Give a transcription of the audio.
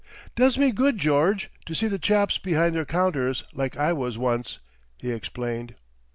"Does me good, George, to see the chaps behind their counters like I was once," he explained.